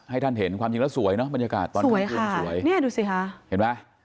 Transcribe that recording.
ให้ท่านเห็นความจริงแล้วสวยเนอะบรรยากาศตอนนี้สวยเนี่ยดูสิคะเห็นไหม